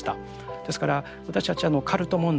ですから私たちカルト問題